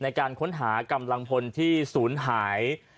ในการค้นหากำลังพลที่ศูนย์หาย